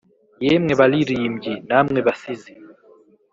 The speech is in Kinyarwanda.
yemwe balirimbyi, namwe basizi,